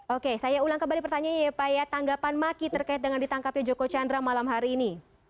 oke saya ulang kembali pertanyaannya ya pak ya tanggapan maki terkait dengan ditangkapnya joko chandra malam hari ini